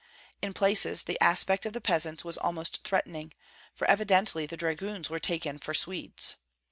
In places the aspect of the peasants was almost threatening, for evidently the dragoons were taken for Swedes.